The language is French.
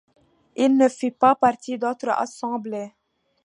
Il ne fit pas partie d'autres assemblées.